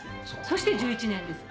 そして１１年です。